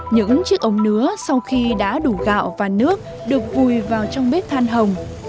những chiếc ống nứa sau khi đã đủ gạo và nước được vùi vào trong bếp than hồng